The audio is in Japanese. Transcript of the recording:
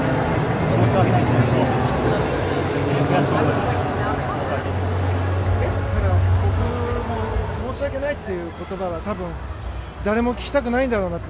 僕も申し訳ないという言葉は誰も聞きたくないだろうなって。